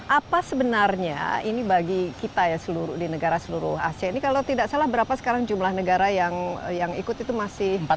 apa sebenarnya ini bagi kita ya di negara seluruh asia ini kalau tidak salah berapa sekarang jumlah negara yang ikut itu masih